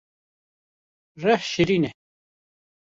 Rih şêrîn e